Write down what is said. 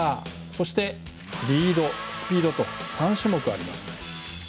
そしてリード、スピードと３種目あります。